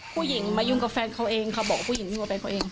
ผู้หญิงมายุ่งกับแฟนเขาเองเขาบอกผู้หญิงยุ่งกับแฟนเขาเอง